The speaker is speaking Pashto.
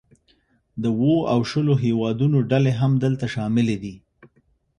د اوو او شلو هیوادونو ډلې هم دلته شاملې دي